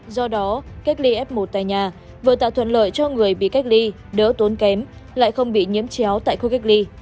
do đó cách ly f một tại nhà vừa tạo thuận lợi cho người bị cách ly đỡ tốn kém lại không bị nhiễm chéo tại khu cách ly